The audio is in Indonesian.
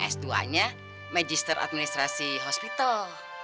s dua nya magister administrasi hospital